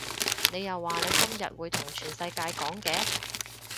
你又話你今日會同全世界講嘅